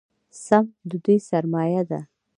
سمت د دوی سرمایه ده.